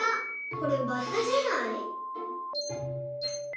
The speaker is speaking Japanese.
これバッタじゃない？